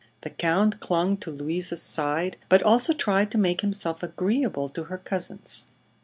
The Count clung to Louise's side, but also tried to make himself agreeable to her cousins.